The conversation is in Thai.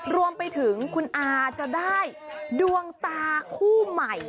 รวมไปถึงคุณอาจะได้ดวงตาคู่ใหม่